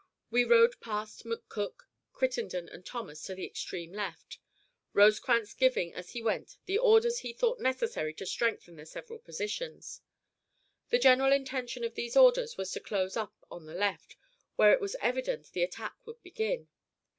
We rode past McCook, Crittenden, and Thomas to the extreme left, Rosecrans giving as he went the orders he thought necessary to strengthen the several positions. The general intention of these orders was to close up on the left, where it was evident the attack would begin.